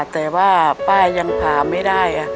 แต่ว่าป้ายังผ่าไม่ได้